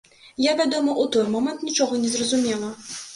Я, вядома, у той момант нічога не разумела.